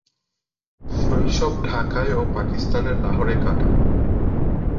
শৈশব ঢাকায় ও পাকিস্তানের লাহোরে কাটান।